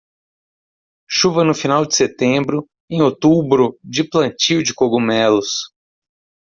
Chuva no final de setembro, em outubro de plantio de cogumelos.